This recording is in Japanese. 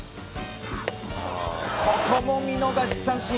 ここも見逃し三振。